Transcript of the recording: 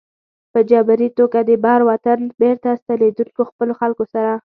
په جبري توګه د بر وطن بېرته ستنېدونکو خپلو خلکو سره.